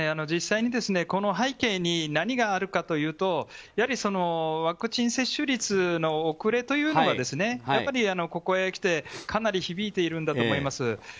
実際に、この背景に何があるかというとワクチン接種率の遅れというのがここへきてかなり響いているんだと思います。